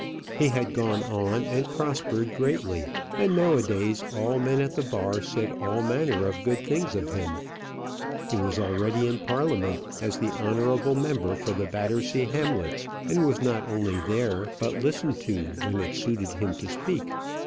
He had gone on and prospered greatly; and nowadays all men at the bar said all manner of good things of him. He was already in Parliament as the honourable member for the Battersea Hamlets, and was not only there, but listened to when it suited him to speak.